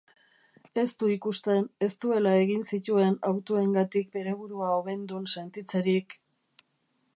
Ez du ikusten ez duela egin zituen hautuengatik bere burua hobendun sentitzerik...